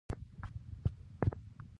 سردار عبدالقدوس خان هرات ونیوی.